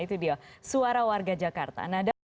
itu dia suara warga jakarta